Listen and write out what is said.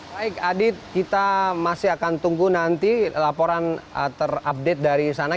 baik adit kita masih akan tunggu nanti laporan terupdate dari sana